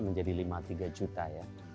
menjadi lima tiga juta ya